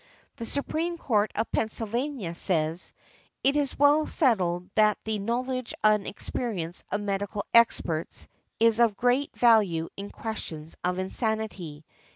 The Supreme Court of Pennsylvania says, "It is well settled that the knowledge and experience of medical experts is of great value in questions of insanity."